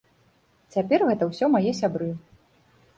Цяпер гэта ўсё мае сябры.